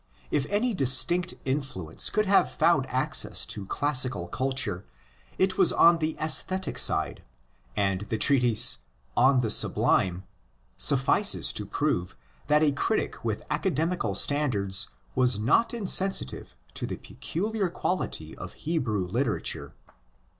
If any distinct influence could have found access to classical culture, it was on the ssthetic side; and the treatise On the Sublime suffices to prove that a critic with academical standards was not insensitive to the peculiar quality of Hebrew literature.